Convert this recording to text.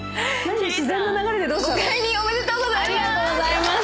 ご懐妊おめでとうございます！